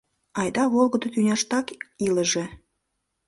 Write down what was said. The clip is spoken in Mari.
Айда волгыдо тӱняштак илыже.